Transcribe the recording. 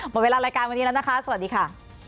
หมดเวลารายการวันนี้แล้วนะคะสวัสดีค่ะ